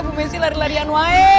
bu messi lari larian wae